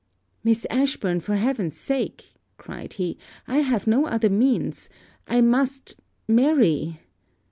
'Miss Ashburn, for heaven's sake!' cried he: 'I have no other means I must marry.'